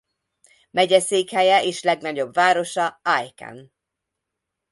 Megyeszékhelye és legnagyobb városa Aiken.